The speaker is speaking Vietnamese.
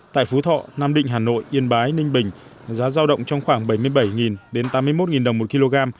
tại phú thọ nam định hà nội yên bái ninh bình giá giao động trong khoảng bảy mươi bảy đến tám mươi một đồng một kg